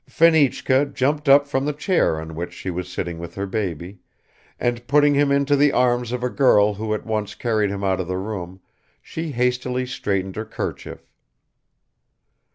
Fenichka jumped up from the chair on which she was sitting with her baby, and putting him into the arms of a girl who at once carried him out of the room, she hastily straightened her kerchief.